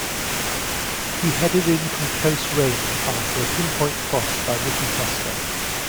He headed in from close range after a pinpoint cross by Ricky Foster.